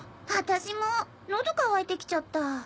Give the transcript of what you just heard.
あたしも喉渇いてきちゃった。